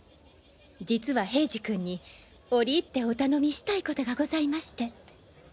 実は平次君に折り入ってお頼みしたいコトがございまして。